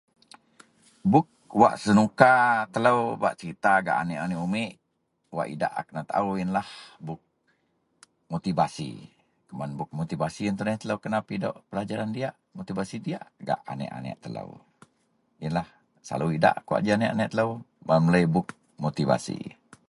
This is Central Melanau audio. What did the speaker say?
Buk wak senuka telou bak cerita gak aneak-aneak umik, wak idak a kenataao yenlah buk motivasi. Kuman buk motivasi yen tuneh telou kena pidok pelajaran diyak. Motivasi diyak gak aneak-aneak telou. Yenlah selalu idak kawak ji aneak-aneak telou bak melei buk motivasi